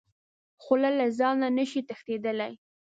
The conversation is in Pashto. خو له ځانه نه شئ تښتېدلی .